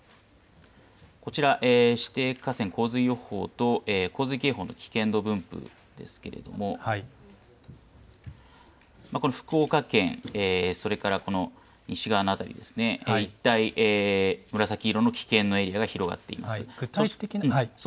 こちら、指定河川洪水予報と洪水警報の危険度分布ですけれども、この福岡県、それから西側の辺りですね、いったい、紫色の危険のエリアが広がっています。